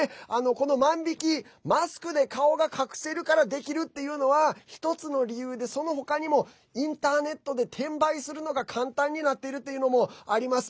この万引きマスクで顔が隠せるからできるっていうのは１つの理由でその他にもインターネットで転売するのが簡単になっているっていうのもあります。